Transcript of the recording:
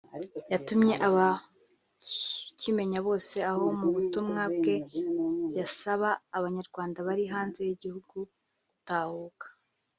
yatumye aba kimenya bose aho mu butumwa bwe yasaba abanyarwanda bari hanze y’igihugu gutahuka